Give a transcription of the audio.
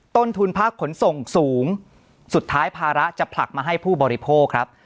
ต้นทุนภาคขนส่งสูงสุดท้ายภาระจะผลักมาให้ผู้บริโภคครับ